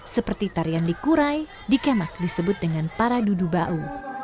kedua yang dikurai di kemak disebut dengan paradudu ba'u